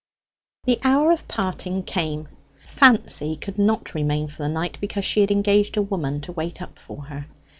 The hour of parting came. Fancy could not remain for the night, because she had engaged a woman to wait up for her.